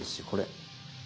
これ。